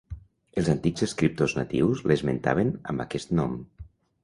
Els antics escriptors natius l'esmentaven amb aquest nom.